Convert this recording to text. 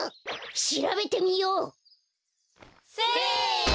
しらべてみよう！せの！